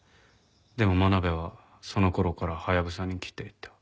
でも真鍋はその頃からハヤブサに来ていた。